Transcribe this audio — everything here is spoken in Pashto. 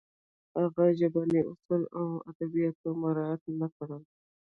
هغه ژبني اصول او ادبیات مراعت نه کړل